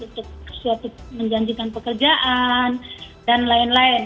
untuk suatu menjanjikan pekerjaan dan lain lain